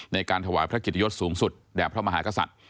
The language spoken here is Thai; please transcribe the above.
ในการถวายพระเกียรติยศสูงสุดแด่พระมหากษัตริย์